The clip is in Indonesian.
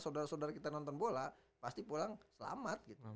atau saudara kita nonton bola pasti pulang selamat